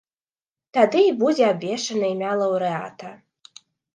Тады і будзе абвешчана імя лаўрэата.